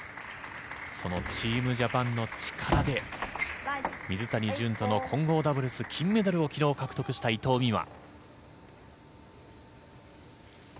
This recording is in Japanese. チームジャパンの力で水谷隼との混合ダブルス金メダルを昨日獲得した伊藤美誠。